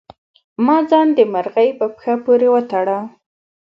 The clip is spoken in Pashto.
ما ځان د مرغۍ په پښه پورې وتړه.